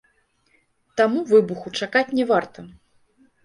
Таму выбуху чакаць не варта.